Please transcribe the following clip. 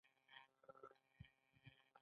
د توکو په تولید کې د افرادو او توکو اړیکې جوتېږي